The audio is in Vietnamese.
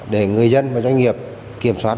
để người dân và doanh nghiệp kiểm soát